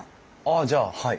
あじゃあはい。